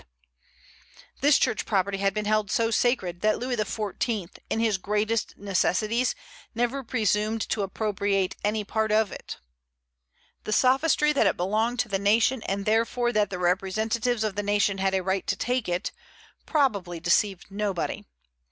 This Church property had been held so sacred, that Louis XIV. in his greatest necessities never presumed to appropriate any part of it. The sophistry that it belonged to the nation, and therefore that the representatives of the nation had a right to take it, probably deceived nobody.